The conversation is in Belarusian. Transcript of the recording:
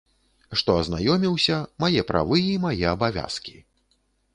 Што азнаёміўся, мае правы і мае абавязкі.